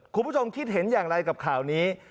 คุณผู้ชมคิดเห็นอย่างไรกับข่าวนี้